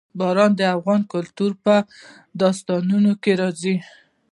باران د افغان کلتور په داستانونو کې راځي.